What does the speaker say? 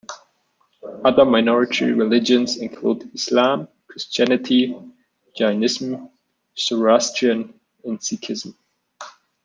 Other minority religions include Islam, Christianity, Jainism, Zoroastrian, and Sikhism.